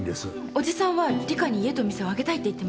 おじさんはリカに家と店をあげたいって言ってました。